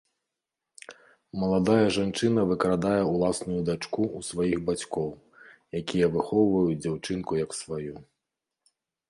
Маладая жанчына выкрадае ўласную дачку ў сваіх бацькоў, якія выхоўваюць дзяўчынку як сваю.